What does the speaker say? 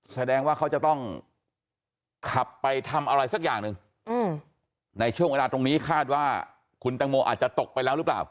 แสดงว่าเขาจะต้องขับไปทำอะไรสักอย่างหนึ่งในช่วงเวลาตรงนี้คาดว่าคุณตังโมอาจจะตกไปแล้วหรือเปล่า